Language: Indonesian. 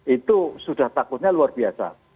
itu sudah takutnya luar biasa